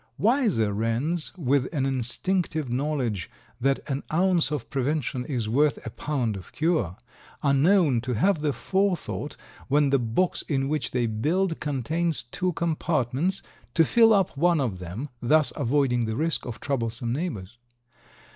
Wiser wrens, with an instinctive knowledge that an ounce of prevention is worth a pound of cure, are known to have the forethought when the box in which they build contains two compartments, to fill up one of them, thus avoiding the risk of troublesome neighbors.